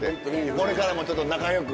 これからもちょっと仲良く。